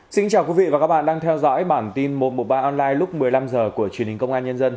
xin chào quý vị và các bạn đang theo dõi bản tin một trăm một mươi ba online lúc một mươi năm h của truyền hình công an nhân dân